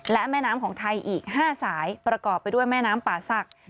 และแม่น้ำของไทยอีก๕สายประกอบไปด้วยแม่น้ำป่าศักดิ์